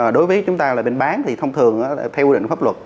đối với chúng ta là bên bán thì thông thường theo quy định pháp luật